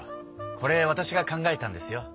これわたしが考えたんですよ。